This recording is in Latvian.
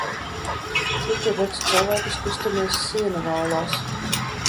Šur tur redz cilvēkus kustamies siena vālās.